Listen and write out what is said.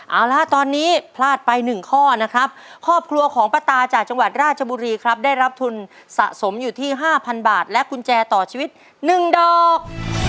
เอาละตอนนี้พลาดไป๑ข้อนะครับครอบครัวของป้าตาจากจังหวัดราชบุรีครับได้รับทุนสะสมอยู่ที่๕๐๐บาทและกุญแจต่อชีวิต๑ดอก